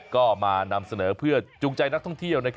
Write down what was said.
ก็มานำเสนอเพื่อจูงใจนักท่องเที่ยว